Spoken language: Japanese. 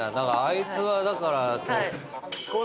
あいつはだから。